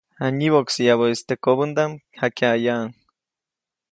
Janyiboʼksäyabäʼis teʼ kobändaʼm, jakyaʼyaʼuŋ.